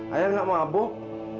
ayah gak mabuk